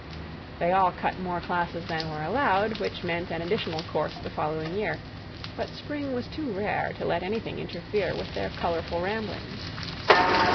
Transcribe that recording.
They all cut more classes than were allowed, which meant an additional course the following year, but spring was too rare to let anything interfere with their colorful ramblings.